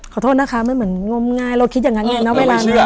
ขอโทษนะคะมันเหมือนงมงายเราคิดอย่างนั้นไงนะเวลานี้